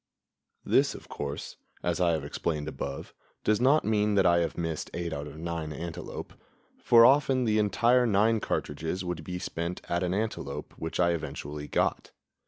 This, of course, as I have explained above, does not mean that I have missed eight out of nine antelope, for often the entire nine cartridges would be spent at an antelope which I eventually got.